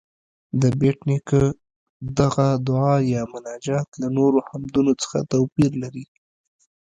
د بېټ نیکه دغه دعا یا مناجات له نورو حمدونو څه توپیر لري؟